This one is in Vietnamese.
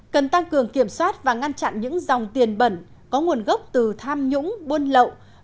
cần tăng cường kiểm soát và ngăn chặn những dòng tiền bẩn có nguồn gốc từ tham nhũng buôn lậu